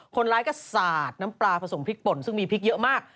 คนร้ายก็สาดน้ำปลาผสมพริกป่นซึ่งมีพริกเยอะมาก